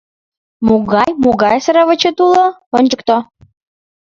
— Могай-могай сравочет уло, ончыкто.